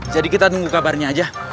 jadi kita tunggu kabarnya aja